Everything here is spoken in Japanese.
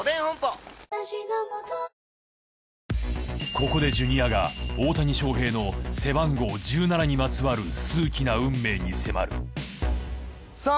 ここでジュニアが大谷翔平の背番号１７にまつわる数奇な運命に迫るさぁ